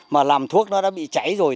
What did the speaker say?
mà làm thuốc nó đã bị cháy rồi